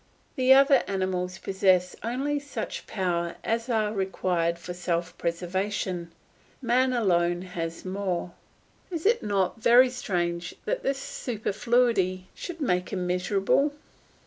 The other animals possess only such powers as are required for self preservation; man alone has more. Is it not very strange that this superfluity should make him miserable?